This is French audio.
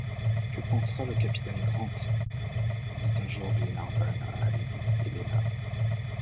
Que pensera le capitaine Grant? dit un jour Glenarvan à lady Helena.